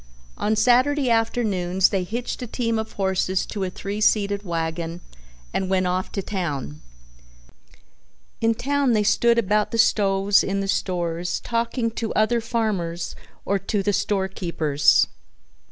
On Saturday afternoons they hitched a team of horses to a three seated wagon and went off to town. In town they stood about the stoves in the stores talking to other farmers or to the store keepers.